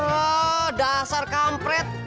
oh dasar kampret